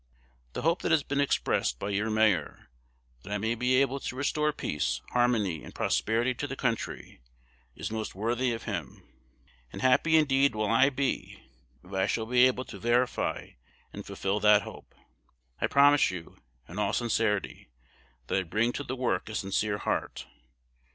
The hope that has been expressed by your mayor, that I may be able to restore peace, harmony, and prosperity to the country, is most worthy of him; and happy indeed will I be if I shall be able to verify and fulfil that hope. I promise you, in all sincerity, that I bring to the work a sincere heart.